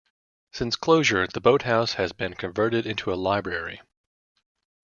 Since closure the boat house has been converted into a library.